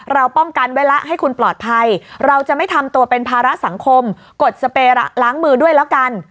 เราป้องกันไว้แล้วให้คุณปลอดภัยเราจะไม่ทำตัวเป็นภาระสังคมกดสเประล้างมือด้วยแล้วกัน